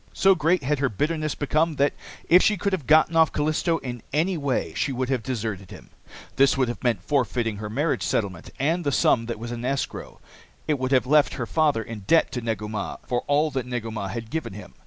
So great had her bitterness become that, if she could have gotten off Callisto in any way, she would have deserted him. This would have meant forfeiting her marriage settlement and the sum that was in escrow. It would also have left her father in debt to Negu Mah for all that Negu Mah had given him.